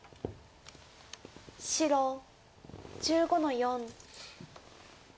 白１５の四。